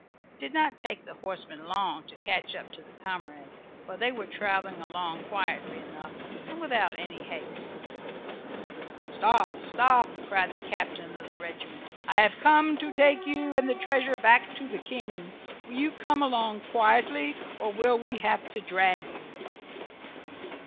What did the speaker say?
It did not take the horsemen long to catch up to the comrades for they were traveling along quietly enough, and without any haste. "Stop! stop!" cried the captain of the regiment. "I have come to take you and the treasure back to the King. Will you come along quietly, or will we have to drag you?"